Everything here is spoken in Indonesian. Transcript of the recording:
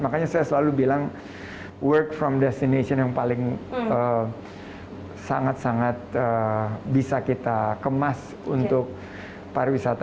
makanya saya selalu bilang work from destination yang paling sangat sangat bisa kita kemas untuk pariwisata